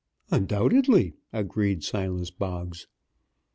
"Undoubtedly," agreed Silas Boggs.